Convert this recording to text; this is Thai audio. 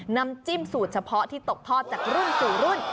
น้ำจิ้มสูตรเฉพาะที่ตกทอดจากรุ่นสู่รุ่น